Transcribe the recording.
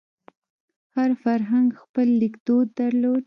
هر فرهنګ خپل لیکدود درلود.